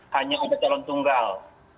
hanya ada calon tunggal